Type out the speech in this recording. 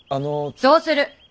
そうする！